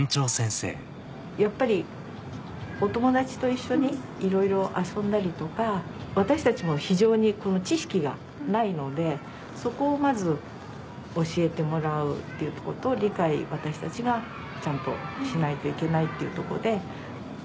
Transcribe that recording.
やっぱりお友達と一緒にいろいろ遊んだりとか私たちも非常に知識がないのでそこをまず教えてもらうっていうとこと私たちがちゃんと理解しないといけないっていうとこで。